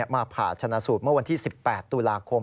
ผ่าชนะสูตรเมื่อวันที่๑๘ตุลาคม